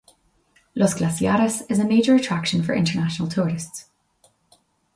Los Glaciares is a major attraction for international tourists.